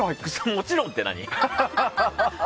もちろんって何。